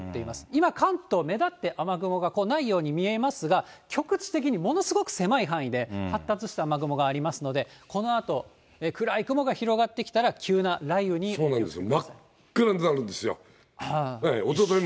今、関東、目立って雨雲がないように見えますが、局地的にものすごく狭い範囲で、発達した雨雲がありますので、このあと、暗い雲が広がってきたら、急な雷雨に注意してください。